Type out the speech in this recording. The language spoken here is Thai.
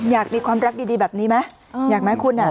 อยากมีความรักดีแบบนี้ไหมอยากไหมคุณอ่ะ